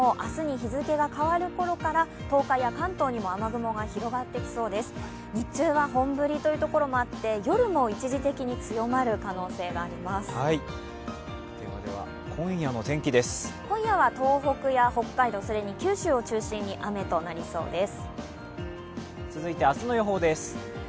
日中は本降りという所もあって、夜も一時的に強まる可能性があります。